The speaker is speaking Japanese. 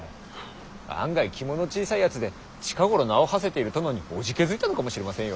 案外肝の小さいやつで近頃名をはせている殿に怖気づいたのかもしれませんよ。